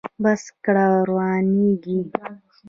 بس کله روانیږي؟